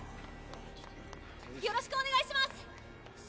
よろしくお願いします！